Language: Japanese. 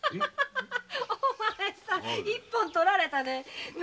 お前さん一本とられたね。